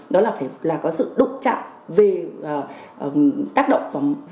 đó là phải có sự đục trạng về tác động